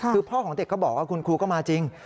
คือพ่อของเด็กก็บอกว่าคุณครูก็มาจริง